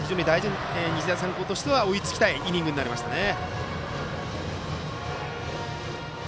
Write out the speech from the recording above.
日大三高としては追いつきたいイニングになりましたね。